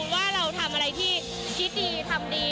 ว่าเราทำอะไรที่คิดดีทำดี